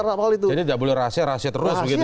jadi tidak boleh rahasia rahasia terus begitu ya